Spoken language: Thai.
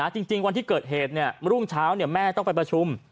จริงวันที่เกิดเหตุรุ่งเช้าแม่ต้องไปประชุม